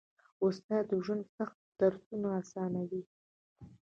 استاد د ژوند سخت درسونه اسانوي.